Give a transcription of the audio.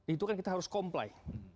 itu kan kita harus comply